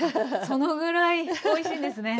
そのぐらいおいしいんですね。